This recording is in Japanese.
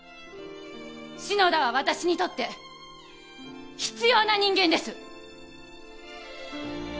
篠田は私にとって必要な人間です！